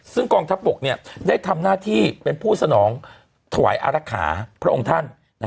ซึ่งกองทัพบกได้ทำหน้าที่เป็นผู้สนองถวายอารักษาพระองค์ท่าน